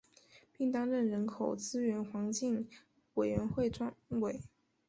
并担任人口资源环境委员会专委。